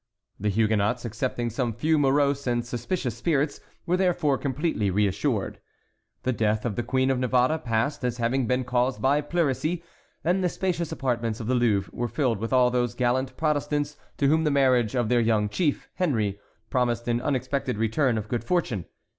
The Huguenots, excepting some few morose and suspicious spirits, were therefore completely reassured. The death of the Queen of Navarre passed as having been caused by pleurisy, and the spacious apartments of the Louvre were filled with all those gallant Protestants to whom the marriage of their young chief, Henry, promised an unexpected return of good fortune.